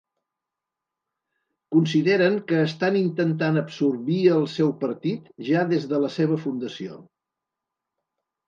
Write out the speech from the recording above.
Consideren que estan intentant “absorbir” el seu partit ja des de la seva fundació.